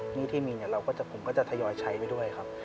หนี้ที่มีผมก็จะทยอยใช้ไปด้วยครับ